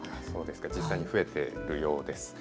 実際に増えているようです。